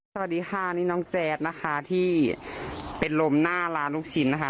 สวัสดีค่ะนี่น้องแจ๊ดนะคะที่เป็นลมหน้าร้านลูกชิ้นนะคะ